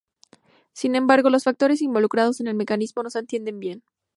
Sin embargo, los factores involucrados en el mecanismo no se entienden bien.